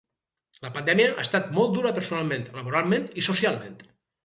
La pandèmia ha estat molt dura personalment, laboralment i socialment.